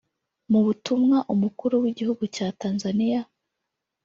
Mu butumwa umukuru w’Igihugu cya Tanzaniya